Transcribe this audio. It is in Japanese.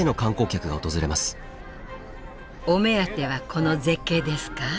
お目当てはこの絶景ですか？